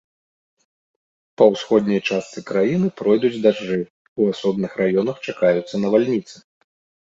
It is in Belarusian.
Па ўсходняй частцы краіны пройдуць дажджы, у асобных раёнах чакаюцца навальніцы.